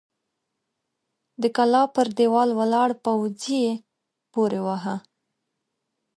د کلا پر دېوال ولاړ پوځي يې پورې واهه!